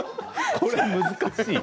これ難しい。